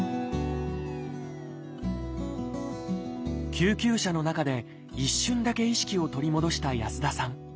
救急車の中で一瞬だけ意識を取り戻した安田さん。